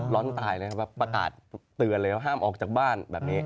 ร้อนตายนะครับประกาศเตือนเลยว่าห้ามออกจากบ้านแบบนี้